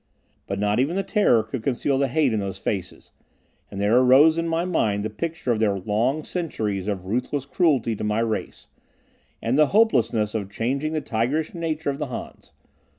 But not even the terror could conceal the hate in those faces, and there arose in my mind the picture of their long centuries of ruthless cruelty to my race, and the hopelessness of changing the tigerish nature of these Hans.